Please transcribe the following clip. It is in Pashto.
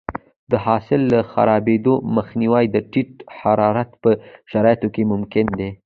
د حاصل د خرابېدو مخنیوی د ټیټ حرارت په شرایطو کې ممکن دی.